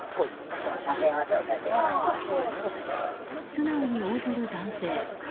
素直に応じる男性。